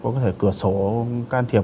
có thể cửa sổ can thiệp